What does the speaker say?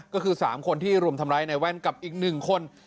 ก็คือ๓คนที่รุมทำร้ายในแว่นกับอีก๑คน